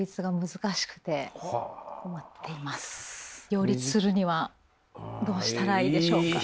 両立するにはどうしたらいいでしょうか？